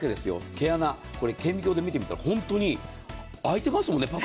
毛穴、顕微鏡で見てみたら、本当にパカッと開いていますもんね。